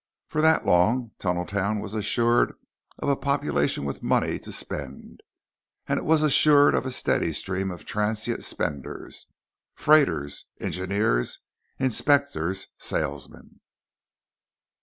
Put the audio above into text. For that long, Tunneltown was assured of a population with money to spend. And it was assured of a steady stream of transient spenders freighters, engineers, inspectors, salesmen.